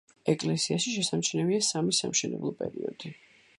ეკლესიაში შესამჩნევია სამი სამშენებლო პერიოდი.